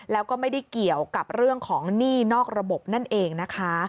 แล้วก็ไม่ได้เกี่ยวกับเรื่องของหนี้นอกระบบนั่นเองนะคะ